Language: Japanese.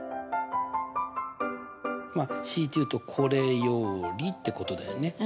まあ強いて言うとこれよりってことだよね。